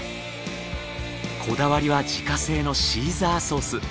こだわりは自家製のシーザーソース。